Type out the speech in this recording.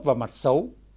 và mặt xấu